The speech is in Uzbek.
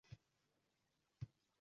G`irt ahmoq odam-ku